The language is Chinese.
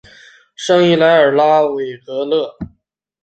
圣伊莱尔拉格拉韦勒。